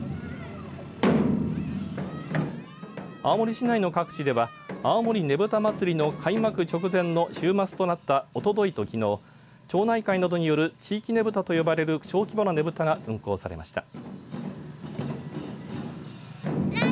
青森市内の各地では青森ねぶた祭の開幕直前の週末となったおとといときのう町内会などによる地域ねぶたと呼ばれる小規模なねぶたが運行されました。